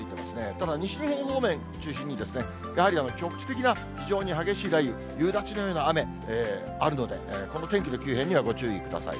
ただ西日本方面中心にですね、やはり局地的な非常に激しい雷雨、夕立のような雨、あるので、この天気の急変にはご注意ください。